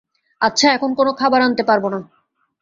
আচ্ছা, এখন কোনো খাবার আনতে পারবো না।